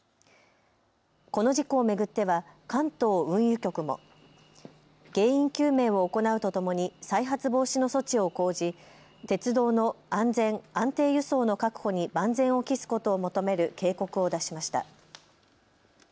この事故を巡っては関東運輸局も原因究明を行うとともに再発防止の措置を講じ鉄道の安全、安定輸送の確保に万全を期すことを求める警告を出しました。